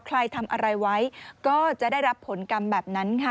ใครทำอะไรไว้ก็จะได้รับผลกรรมแบบนั้นค่ะ